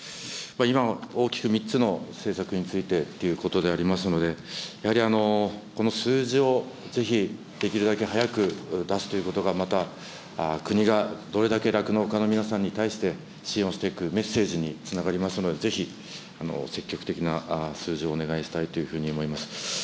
今、大きく３つの政策についてということでありますので、やはりこの数字をぜひ、できるだけ早く出すということが、また、国がどれだけ酪農家の皆さんに対して、支援していくメッセージにつながりますので、ぜひ、積極的な数字をお願いしたいというふうに思います。